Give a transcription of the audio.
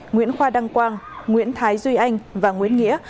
nguyễn khoa đăng quang nguyễn thái duy anh và nguyễn nghĩa